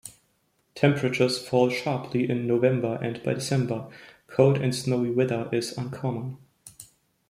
Temperatures fall sharply in November and by December, cold and snowy weather is uncommon.